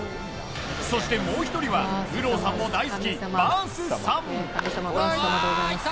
そしてもう１人は有働さんも大好きバースさん。